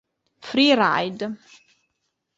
Free ride